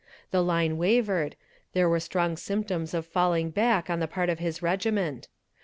The line wavered; there were strong symptoms of falling back on the part of his regiment.